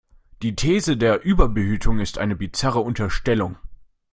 Die These der Überbehütung ist eine bizarre Unterstellung.